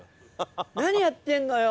「何やってんのよ！」